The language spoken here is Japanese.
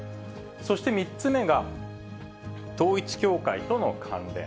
そして３つ目が、統一教会との関連。